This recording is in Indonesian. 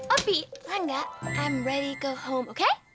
opie langga aku siap pergi ke rumah oke